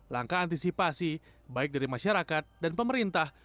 langkah antisipasi baik dari masyarakat dan pemerintah